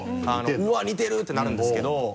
「うわっ似てる！」ってなるんですけど。